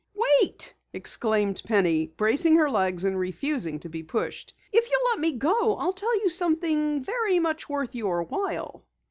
"Wait!" exclaimed Penny, bracing her legs and refusing to be pushed. "If you'll let me go, I'll tell you something very much worth your while."